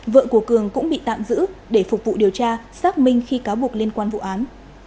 vợ của cường cũng bị tạm giữ để phục vụ điều tra xác minh khi cáo buộc liên quan vụ án